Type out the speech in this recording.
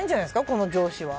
この上司は。